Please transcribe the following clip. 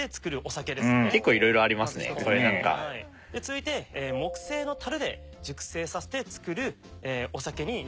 続いて木製の樽で熟成させて造るお酒になっております。